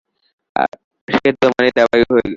সে তোমার দেওয়াই হয়ে গেছে।